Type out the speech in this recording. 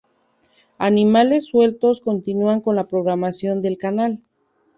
Animales sueltos continua con la programación del canal.